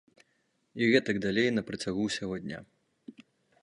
І гэтак далей на працягу ўсяго дня.